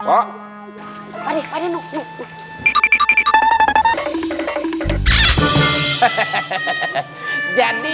emang kurang jelas